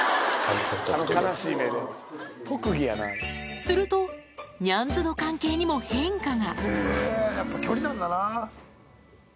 すると、ニャンズの関係にも変化が。